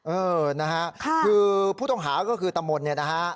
เออนะฮะคือผู้ต้องหาก็คือตะมนต์เนี่ยนะฮะ